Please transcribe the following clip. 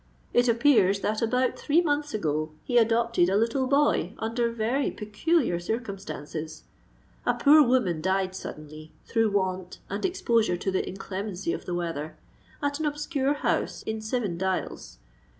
It appears that about three months ago he adopted a little boy under very peculiar circumstances. A poor woman died suddenly, through want and exposure to the inclemency of the weather, at an obscure house in Seven Dials.